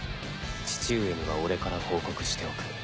父上には俺から報告しておく。